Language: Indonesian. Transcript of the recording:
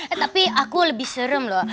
eh tapi aku lebih serem loh